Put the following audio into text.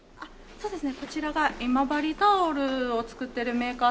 そうですね。